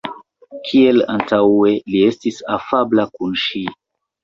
Kiel antaŭe, li estis afabla kun ŝi.